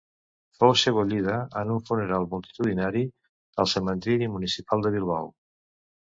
Fou sebollida, en un funeral multitudinari, al cementiri municipal de Bilbao.